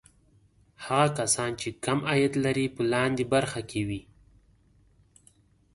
هغه کسان چې کم عاید لري په لاندې برخه کې وي.